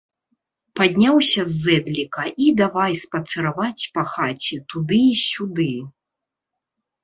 Падняўся з зэдліка і давай спацыраваць па хаце туды і сюды.